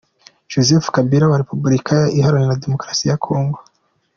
-Joseph Kabila wa Repubulika iharanira Demokarasi ya Congo